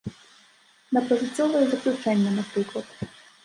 На пажыццёвае заключэнне, напрыклад.